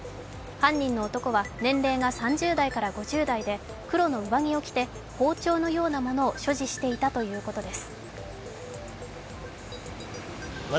犯人の男は年齢が３０代から５０代で黒の上着を着て包丁のようなものを所持していたということです。